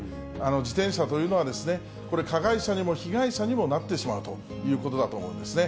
自転車というのはですね、これ、加害者にも被害者にもなってしまうということだと思うんですよね。